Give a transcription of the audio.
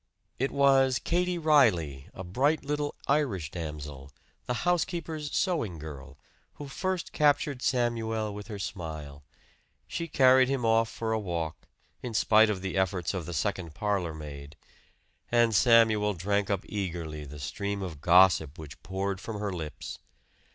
It was Katie Reilly, a bright little Irish damsel, the housekeeper's sewing girl, who first captured Samuel with her smile; she carried him off for a walk, in spite of the efforts of the second parlor maid, and Samuel drank up eagerly the stream of gossip which poured from her lips.